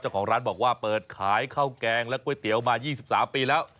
เจ้าของร้านบอกว่าเปิดขายข้าวแกงและก๋วยเตี๋ยวมา๒๓ปีแล้ว